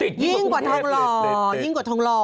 ใช่ยิ่งกว่าทงหล่อ